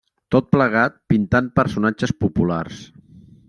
Tot plegat pintant personatges populars.